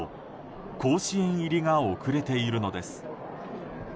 甲子園入りが遅れているのです。